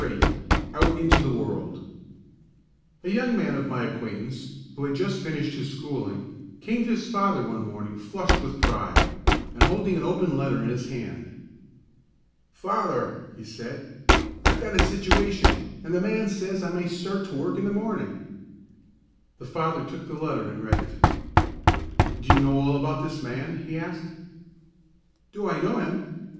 VIII OUT INTO THE WORLD A young man of my acquaintance, who had just finished his schooling, came to his father one morning, flushed with pride, and holding an open letter in his hand. "Father," he said, "I've got a situation, and the man says I may start to work in the morning." The father took the letter and read it. "Do you know all about this man?" he asked. "Do I know him?